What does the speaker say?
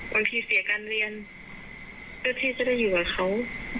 เสียการเรียนเจ้าที่จะได้อยู่กับเขา